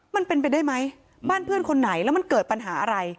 มันเป็นไปได้ไหมบ้านเพื่อนคนไหนแล้วมันเกิดปัญหาอะไร